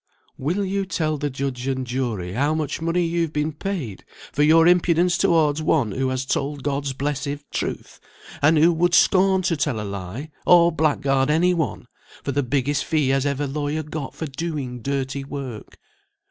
"Will you tell the judge and jury how much money you've been paid for your impudence towards one who has told God's blessed truth, and who would scorn to tell a lie, or blackguard any one, for the biggest fee as ever lawyer got for doing dirty work?